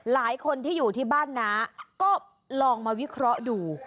หลายคนที่อยู่ที่บ้านน้าก็ลองมาวิเคราะห์ดู